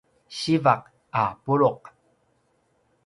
siva a puluq